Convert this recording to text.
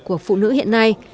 của phụ nữ hiện nay